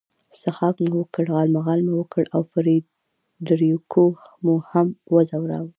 څښاک مو وکړ، غالمغال مو وکړ او فرېډریکو مو هم وځوراوه.